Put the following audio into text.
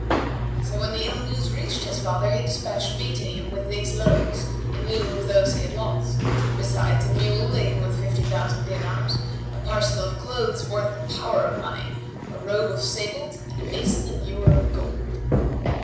So when the ill news reached his father, he despatched me to him with these loads, in lieu of those he had lost; besides a mule laden with fifty thousand dinars, a parcel of clothes worth a power of money, a robe of sables[FN#73] and a basin and ewer of gold."